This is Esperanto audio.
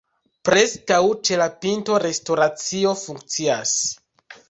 Preskaŭ ĉe la pinto restoracio funkcias.